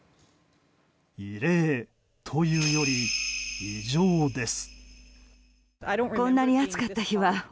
異例というより異常です。